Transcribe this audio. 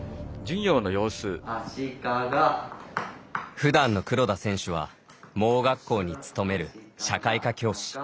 ふだんの黒田選手は盲学校に勤める社会科教師。